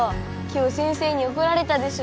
今日先生に怒られたでしょ？